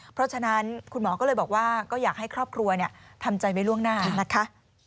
เพราะฉะนั้นคุณหมอก็เลยบอกว่าก็อยากให้ครอบครัวทำใจไว้ล่วงหน้านะคะ